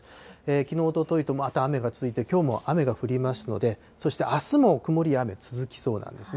きのう、おとといと、また雨が続いて、きょうも雨が降りますので、そしてあすも曇りや雨、続きそうなんですね。